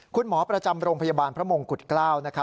คุณหมอประจำโรงพยาบาลพระมงกุฎเกล้านะครับ